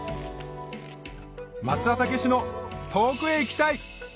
松田丈志の『遠くへ行きたい』